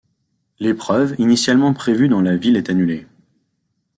L'épreuve initialement prévue dans la ville est annulée.